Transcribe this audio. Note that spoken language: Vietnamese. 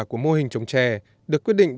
của mô hình chống trè được quyết định